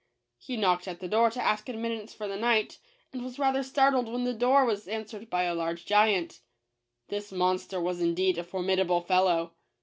He knocked at the door to ask ad mittance for the night, and was rather startled when the door was answered by a large giant. This monster was indeed a formidable fellow.